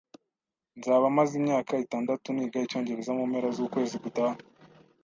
Nzaba maze imyaka itandatu niga icyongereza mu mpera z'ukwezi gutaha.